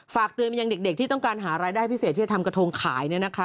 ฝากเตือนไปยังเด็กที่ต้องการหารายได้พิเศษที่จะทำกระทงขาย